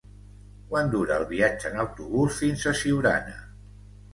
Quant dura el viatge en autobús fins a Siurana?